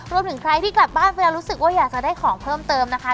รวมถึงใครที่กลับบ้านไปแล้วรู้สึกว่าอยากจะได้ของเพิ่มเติมนะคะ